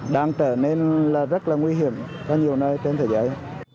đang trở nên là rất là nguy hiểm cho nhiều nơi trên thế giới